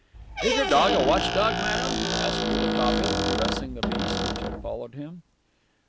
"Is your dog a watch dog, madame?" asked Rouletabille, caressing the beast, which had followed him.